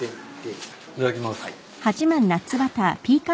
いただきます。